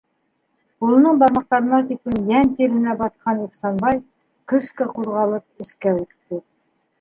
Ҡулының бармаҡтарына тиклем йән тиренә батҡан Ихсанбай, көскә ҡуҙғалып, эскә үтте.